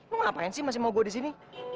lo ngapain sih masih mau gue di sini